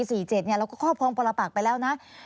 เราก็เข้าพร้อมปลอดละปักไปแล้วนะ